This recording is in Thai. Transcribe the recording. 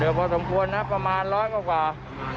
เดี๋ยวความสัมพวนิทนะประมาณร้อยกว้าก่อน